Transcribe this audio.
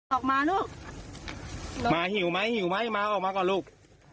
ออกมาลูกออกมาหิวไหมหิวไหมมาออกมาก่อนลูก